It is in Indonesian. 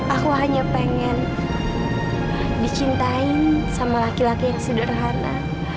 aku hanya pengen dicintai sama laki laki yang sederhana